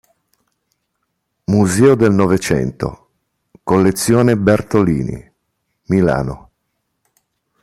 Museo del Novecento, Collezione Bertolini, Milano.